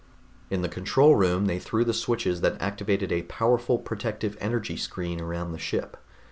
In the control room they threw the switches that activated a powerful protective energy screen around the ship.